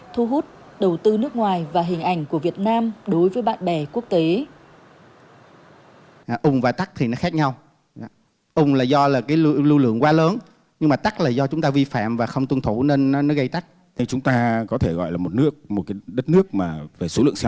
thu hút đầu tư nước ngoài và hình ảnh của việt nam đối với bạn bè quốc tế